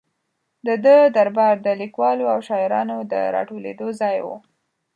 د ده دربار د لیکوالو او شاعرانو د را ټولېدو ځای و.